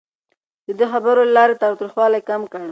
ده د خبرو له لارې تاوتريخوالی کم کړ.